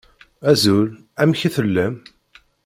Azul! Amek i tellam?